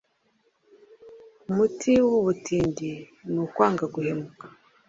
Umuti w’ubutindi ni ukwanga guhemuka.